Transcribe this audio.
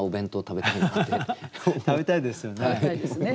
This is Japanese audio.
食べたいですよね？